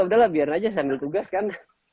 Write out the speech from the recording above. udahlah biar aja sambil tugas kan